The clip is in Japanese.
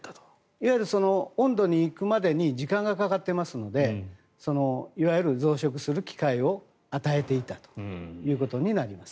その温度に行くまでに時間がかかってますのでいわゆる増殖する機会を与えていたということになります。